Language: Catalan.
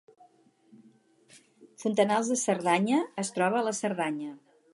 Fontanals de Cerdanya es troba a la Cerdanya